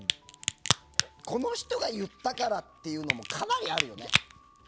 この人が言ったからっていうのもかなりあるよね。